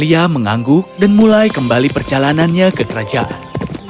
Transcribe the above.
lihat dia menangguh dan mulai kembali perjalanannya ke kerajaan